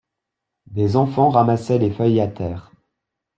Des enfants ramassaient les feuilles à terre.